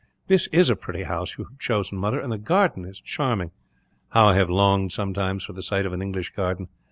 "This is a pretty house that you have chosen, mother, and the garden is charming. How I have longed, sometimes, for the sight of an English garden.